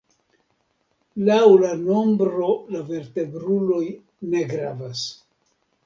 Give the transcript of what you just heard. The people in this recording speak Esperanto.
Laŭ la nombro la vertebruloj ne gravas.